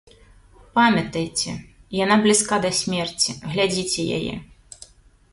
Памятайце, яна блізка да смерці, глядзіце яе.